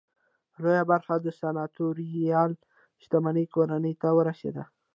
لویه برخه د سناتوریال شتمنۍ کورنۍ ته ورسېده.